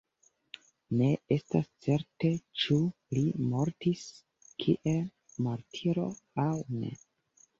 Ne estas certe ĉu li mortis kiel martiro aŭ ne.